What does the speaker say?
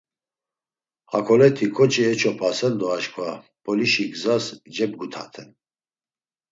Hakoleti ǩoçi eç̌opasen do aşǩva Mp̌olişi gzas cebgutaten.